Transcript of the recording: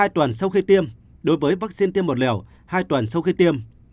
hai tuần sau khi tiêm đối với vaccine tiêm một liều hai tuần sau khi tiêm